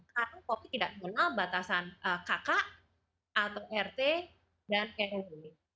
karena kopi tidak mengenal batasan kk atau rt dan ekonomi